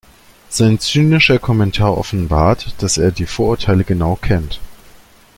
Sein zynischer Kommentar offenbart, dass er die Vorurteile genau kennt.